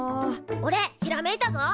おれひらめいたぞ。